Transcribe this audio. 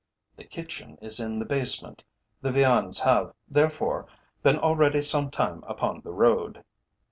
"The kitchen is in the basement; the viands have, therefore, been already some time upon the road."